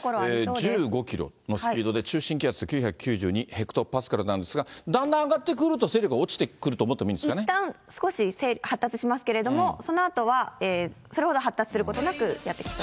１５キロのスピードで中心気圧９９２ヘクトパスカルなんですが、だんだん上がってくると勢力が落ちてくると思っていいんですいったん、少し発達しますけれども、そのあとはそれほど発達することなくやって来そうです。